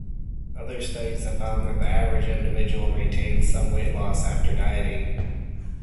Other studies have found that the average individual maintains some weight loss after dieting.